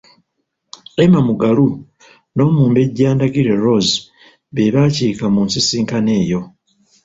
Emma Mugalu n'Omumbejja Ndagire Rose be baakiika mu nsisinkano eyo.